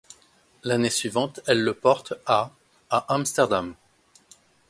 L'année suivante, elle le porte à à Amsterdam.